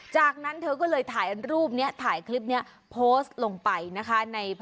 จากนั้นเธอก็เลยถ่ายรูปนี้ถ่ายคลิปนี้โพสต์ลงไปนะคะ